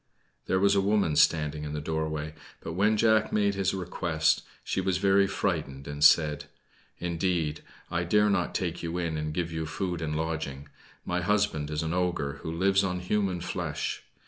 There was a woman standing in the doorway; but when Jack made his request, she was very frightened, and said "Indeed, I dare not take you in and give you food and lodging. My husband is an ogre who lives on human flesh.